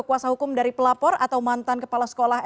kuasa hukum dari pelapor atau mantan kepala sekolah